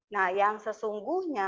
nah yang sesungguhnya